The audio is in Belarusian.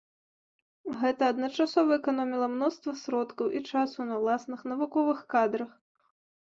Гэта адначасова эканоміла мноства сродкаў і часу на ўласных навуковых кадрах.